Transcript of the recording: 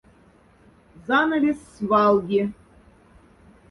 Занавессь валги.